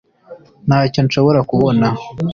ntacyo nshobora kubona